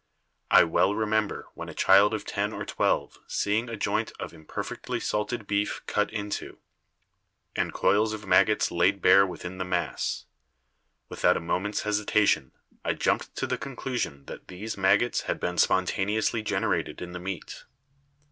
I well remember when a child of ten or twelve seeing a joint of imperfectly salted beef cut into, and coils of maggots laid bare within the mass. Without a moment's hesitation I jumped to the conclusion that these maggots had been spontaneously generated in the meat.